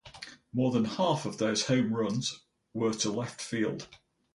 More than half of those home runs were to left-field.